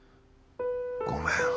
ごめん。